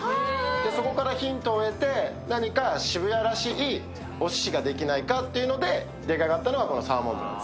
そこからヒントを得て、何か渋谷らしいおすしができないかというので出来上がったのが、サーモンブラン。